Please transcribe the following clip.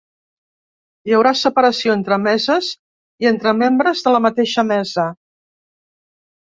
Hi haurà separació entre meses i entre membres de la mateixa mesa.